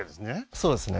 そうですね